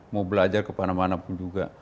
mau belajar kemana mana pun juga